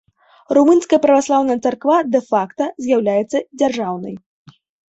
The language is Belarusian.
Румынская праваслаўная царква дэ-факта з'яўляецца дзяржаўнай.